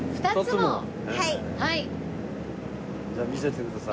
じゃあ見せてください。